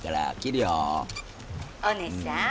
「おねさん？